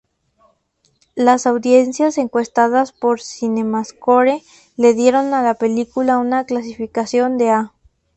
Las audiencias encuestadas por Cinemascore le dieron a la película una calificación de "A-".